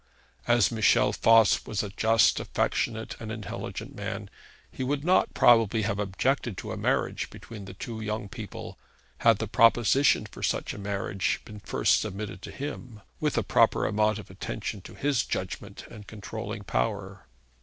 As Michel Voss was a just, affectionate, and intelligent man, he would not probably have objected to a marriage between the two young people, had the proposition for such a marriage been first submitted to him, with a proper amount of attention to his judgment and controlling power.